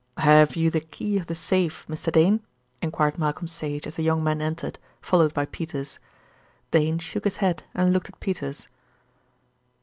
"Have you the key of the safe, Mr. Dane?" enquired Malcolm Sage as the young man entered, followed by Peters. Dane shook his head and looked at Peters.